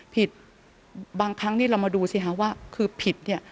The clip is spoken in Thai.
บางครั้งนี่เรามาดูสิคะว่าคือผิดเนี่ย